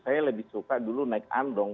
saya lebih suka dulu naik andong